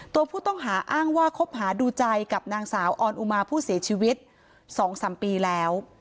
ตัวผู้ต้องหาอ้างว่าคบหาดูใจกับนางสาวออนอุมาผู้เสียชีวิต๒๓ปีแล้ว